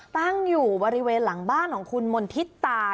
ตั้งอยู่บริเวณหลังบ้านของคุณมนทิตา